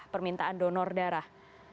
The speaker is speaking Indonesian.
permintaan donor darah